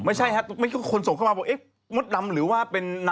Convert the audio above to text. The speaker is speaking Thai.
ไม่ใช่ฮะมันเข้าผ่านมาว่า